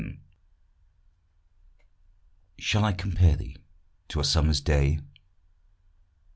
18 Shall I compare thee to a summer's day?